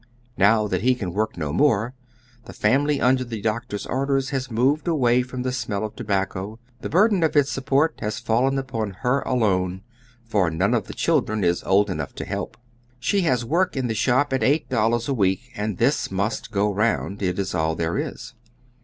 Now that he can work no more, and the family under the doctor's orders has moved away from the smell of tobacco, the burden of its support has fallen upon her alone, for none of the children is old enough to help, Slie has work in the shop at eight dol lars a week, and this most go round ; it is all there is.